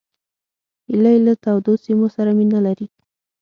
هیلۍ له تودو سیمو سره مینه لري